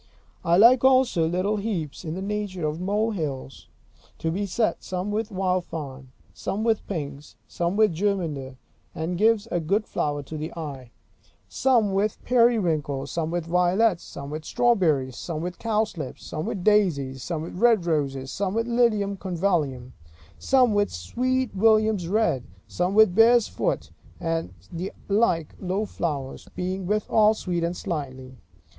I like also little heaps, in the nature of mole hills (such as are in wild heaths), to be set, some with wild thyme; some with pinks; some with germander, that gives a good flower to the eye; some with periwinkle; some with violets; some with strawberries; some with cowslips; some with daisies; some with red roses; some with lilium convallium; some with sweet williams red; some with bear's foot: and the like low flowers, being withal sweet and sightly.